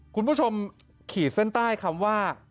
คุณผู้ชมขีดเส้นใต้คำว่า